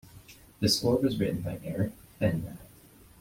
The score was written by Eric Fenby.